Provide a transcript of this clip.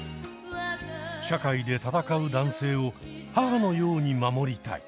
社会でたたかう男性を母のように守りたい。